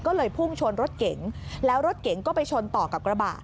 ก็เลยพุ่งชนรถเก๋งแล้วรถเก๋งก็ไปชนต่อกับกระบะ